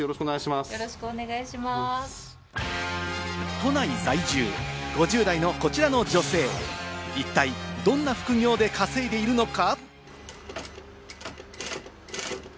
都内在住、５０代のこちらの女性、一体どんな副業で稼いでいるのか？